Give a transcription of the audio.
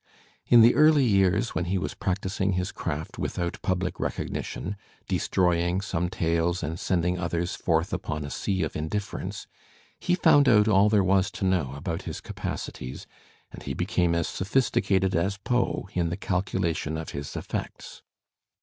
In the early years when he was practising his craft without public recognition, destroy ing some tales and sending others forth upon a sea of indiffer ence, he foimd out all there was to know about his capacities, and he became as sophisticated as Foe in the calculation of his effects.